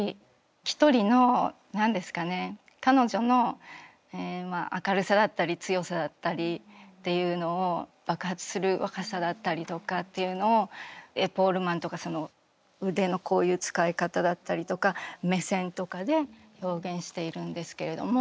一人の何ですかね彼女の明るさだったり強さだったりっていうのを爆発する若さだったりとかっていうのをエポールマンとか腕のこういう使い方だったりとか目線とかで表現しているんですけれども。